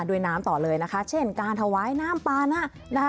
ด้วยน้ำต่อเลยนะคะเช่นการถวายน้ำปานะนะคะ